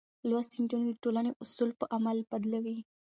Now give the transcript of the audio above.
لوستې نجونې د ټولنې اصول په عمل بدلوي.